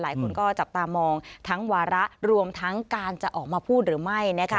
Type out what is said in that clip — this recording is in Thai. หลายคนก็จับตามองทั้งวาระรวมทั้งการจะออกมาพูดหรือไม่นะคะ